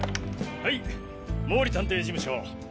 はい毛利探偵事務所